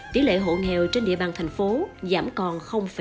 tỷ lệ hộ nghèo trên địa bàn thành phố giảm còn ba